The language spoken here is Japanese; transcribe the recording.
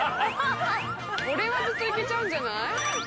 これはずっと行けちゃうんじゃない？